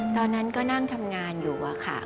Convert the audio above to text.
ตอนนั้นก็นั่งทำงานอยู่อะค่ะ